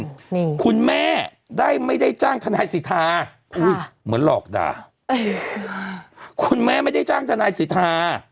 นี่คุณแม่ได้ไม่ได้จ้างทนายสิทธาอุ้ยเหมือนหลอกด่าคุณแม่ไม่ได้จ้างทนายสิทธา